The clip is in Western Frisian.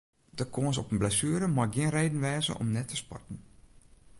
De kâns op in blessuere mei gjin reden wêze om net te sporten.